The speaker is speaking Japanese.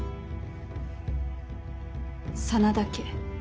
真田家